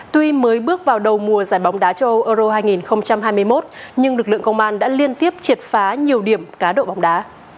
tuy mới bước vào đầu mùa giải bóng đá châu âu euro hai nghìn hai mươi một nhưng lực lượng công an đã liên tiếp triệt phá nhiều điểm cá độ bóng đá